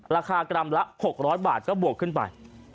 ราคากรัมละ๖๐๐บาทก็บวกขึ้นไป